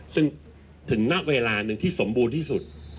ซึ่งถึงณเวลาหนึ่งที่สมบูรณ์ที่สุด